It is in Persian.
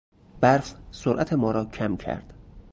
برف سرعت ما را کم کرد.